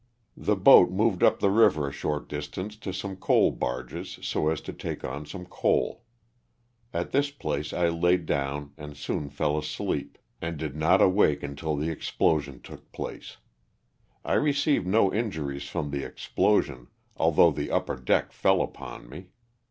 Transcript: The boat moved up the river a fhort distance to some coal barges so as to take on some coal. At this place I laid down and soon fell asleep and did not [awake 378 LOSS OF THE SULTANA. until the explosion took place. I received no inju ries from the explosion although the upper deck fell upon me.